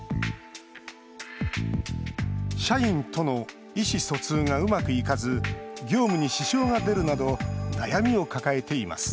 社員との意思疎通がうまくいかず業務に支障が出るなど悩みを抱えています